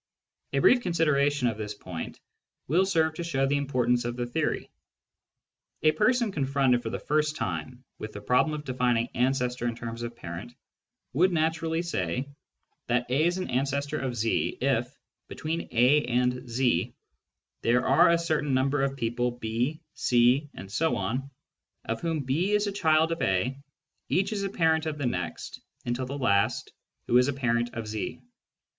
A brief consideration of this point will serve to show the importance of the theory. A person confronted for the first time with the problem of defining " ancestor " in terms of " parent " would naturally say that A is an ancestor of Z if, between A and Z, there are a certain number of people, B, C, ..., of whom B is a child of A, each is a parent of the next, until the last, who is a parent of Z.